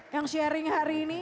yang sharing hari ini